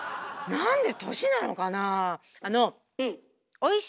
なんで年なのかなあ？